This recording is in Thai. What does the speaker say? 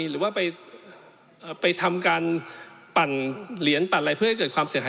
หรือว่าไปทำการปั่นเหรียญปั่นอะไร